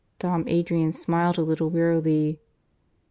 ..." Dom Adrian smiled a little wearily.